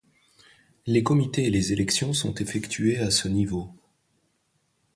Les comités et les élections sont effectuées à ce niveau.